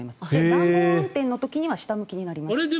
暖房運転の時には下向きになります。